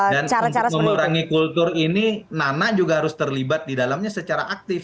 dan untuk memerangi kultur ini nana juga harus terlibat di dalamnya secara aktif